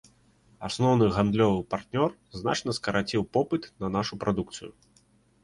Асноўны гандлёвы партнёр значна скараціў попыт на нашу прадукцыю.